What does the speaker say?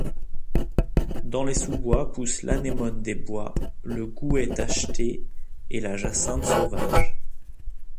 Dans les sous-bois poussent l'anémone des bois, le gouet tacheté et la jacinthe sauvage.